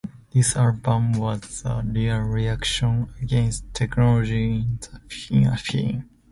This album was a real reaction against technology in a sense.